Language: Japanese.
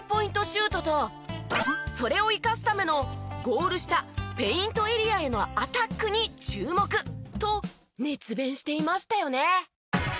シュートとそれを生かすためのゴール下ペイントエリアへのアタックに注目！と熱弁していましたよね。